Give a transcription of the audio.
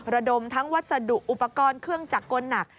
ระดมทั้งวัสดุอุปกรณ์เครื่องจักรกลหนัก